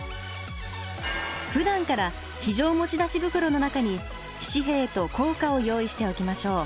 ふだんから非常持ち出し袋の中に紙幣と硬貨を用意しておきましょう。